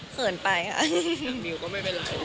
เผินไปค่ะ